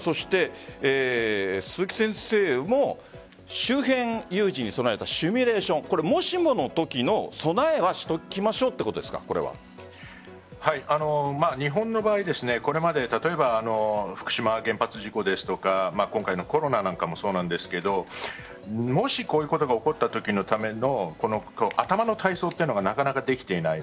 鈴木先生も周辺有事に備えてシミュレーションもしものときの備えはしておきましょう日本の場合、これまで例えば、福島原発事故ですとか今回のコロナなんかもそうなんですがもしこういうことが起こったときのための頭の体操というのがなかなかできていない。